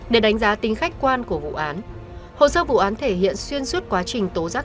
để đánh giá tính khách quan của vụ án hồ sơ vụ án thể hiện xuyên suốt quá trình tố giác